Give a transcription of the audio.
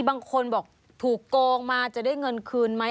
บางคนบอกถูกโกงมาจะได้เงินคืนไหม